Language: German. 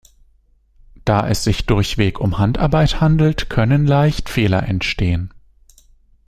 Da es sich durchweg um Handarbeit handelt, können leicht Fehler entstehen.